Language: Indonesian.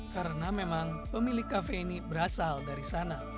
karena memang pemilik kafe ini berasal dari sana